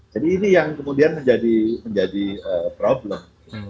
jadi ini yang kemudian menjadi problem